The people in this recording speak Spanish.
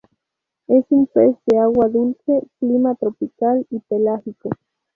Es un pez de agua dulce clima tropical y pelágico.